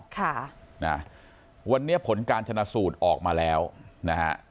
ค่ะนะวันนี้ผลการชนะสูตรออกมาแล้วนะฮะ